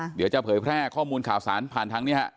เดี๋ยวจะเผยแพร่ข้อมูลข่าวสารผ่านทางนี้ฮะ